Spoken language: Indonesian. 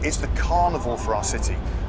ini adalah karnival untuk kota kita